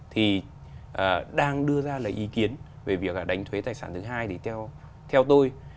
thì đang đưa ra lời ý kiến về việc đánh thuế tài sản thứ hai thì theo tôi